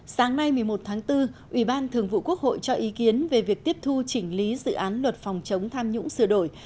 sáng nay một mươi một tháng bốn ủy ban thường vụ quốc hội cho ý kiến về việc tiếp thu chỉnh lý dự án luật phòng chống tham nhũng sửa đổi